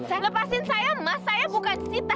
lepaskan saya mas saya bukan sita